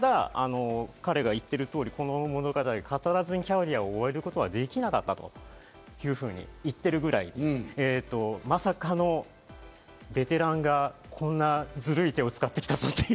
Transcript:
彼が言っている通り、この物語を語らずにキャリアを終えることはできなかったというふうに言ってるぐらい、まさかのベテランがこんなずるい手を使ってきたぞっていう。